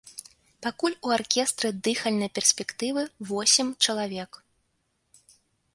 Пакуль у аркестры дыхальнай перспектывы восем чалавек.